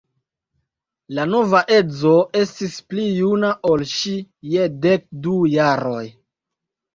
La nova edzo estis pli juna ol ŝi je dek du jaroj.